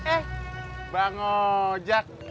eh bang ojek